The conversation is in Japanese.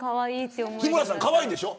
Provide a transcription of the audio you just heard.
日村さん、かわいいでしょ。